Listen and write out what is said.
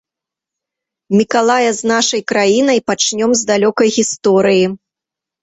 Мікалая з нашай краінай пачнём з далёкай гісторыі.